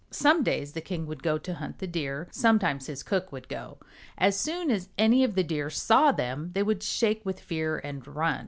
Some days the king would go to hunt the Deer, sometimes his cook would go. As soon as any of the Deer saw them they would shake with fear and run.